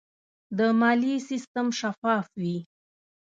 د مالیې سیستم شفاف وي.